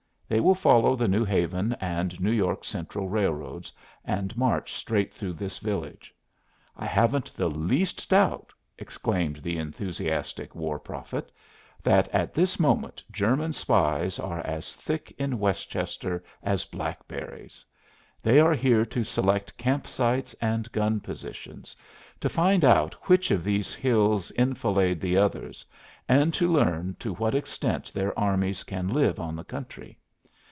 They will follow the New Haven and New York Central railroads, and march straight through this village. I haven't the least doubt," exclaimed the enthusiastic war prophet, "that at this moment German spies are as thick in Westchester as blackberries. They are here to select camp sites and gun positions, to find out which of these hills enfilade the others and to learn to what extent their armies can live on the country.